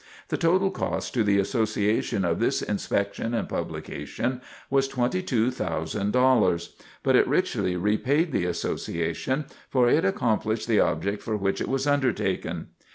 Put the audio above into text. The total cost to the Association of this inspection and publication was $22,000; but it richly repaid the Association, for it accomplished the object for which it was undertaken.